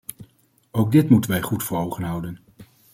Ook dit moeten wij goed voor ogen houden.